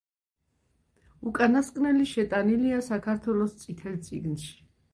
უკანასკნელი შეტანილია საქართველოს „წითელ წიგნში“.